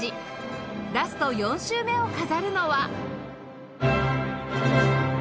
ラスト４週目を飾るのは